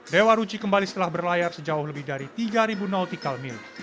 dewa ruci kembali setelah berlayar sejauh lebih dari tiga nautikal mil